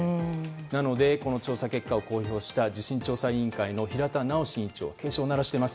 なので、調査結果を公表した地震調査委員会の平田直委員長は警鐘を鳴らしています。